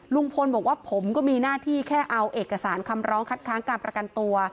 ลุงพลบอกว่าผมก็มีหน้าที่แค่เอาเอกสารคำร้องคัดค้างการประกันตัว